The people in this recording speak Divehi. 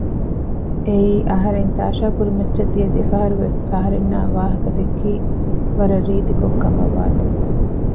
އެއީ އަހަރެން ތާޝާ ކުރިމައްޗައް ދިޔަ ދެފަހަރުވެސް އަހަރެންނާއި ވާހަކަ ދެއްކީ ވަރަށް ރީތިކޮށް ކަމައްވާތީ